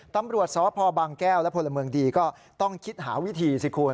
ตำรวจสพบางแก้วและพลเมืองดีก็ต้องคิดหาวิธีสิคุณ